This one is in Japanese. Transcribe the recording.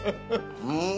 うん！